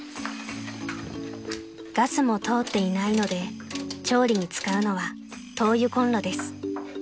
［ガスも通っていないので調理に使うのは灯油コンロです］